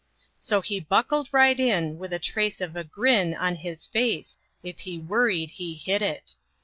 So he buckled right in with the trace of a grin On his face. If he worried he hid it.